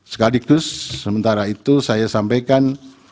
sekaligus sementara itu saya sampaikan